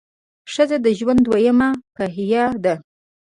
ښځه د ژوند دویمه پهیه ده.